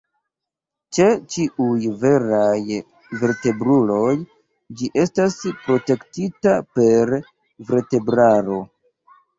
Ĉe ĉiuj veraj vertebruloj ĝi estas protektita per vertebraro.